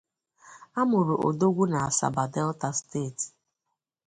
A mụrụ Odogwu na Asaba, Delta State.